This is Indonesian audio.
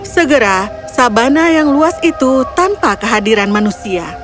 segera sabana yang luas itu tanpa kehadiran manusia